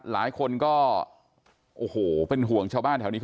หลายคนก็โอ้โหเป็นห่วงชาวบ้านแถวนี้